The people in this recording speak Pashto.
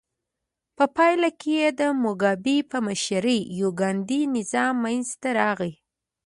په پایله کې د موګابي په مشرۍ یو ګوندي نظام منځته راغی.